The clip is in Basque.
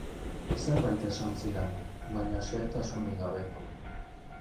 Zerbait esan zidan, baina xehetasunik gabe.